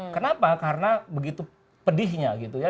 kenapa karena begitu pedihnya gitu ya